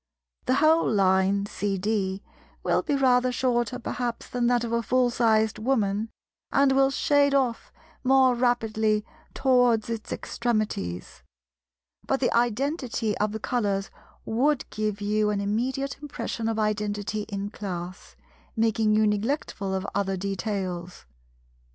The whole line (CD) will be rather shorter perhaps than that of a full sized Woman, and will shade off more rapidly towards its extremities; but the identity of the colours would give you an immediate impression of identity in Class, making you neglectful of other details.